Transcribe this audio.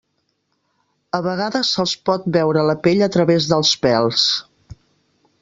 A vegades se'ls pot veure la pell a través dels pèls.